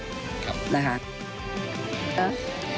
ครับ